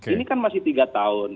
ini kan masih tiga tahun